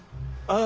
ああ。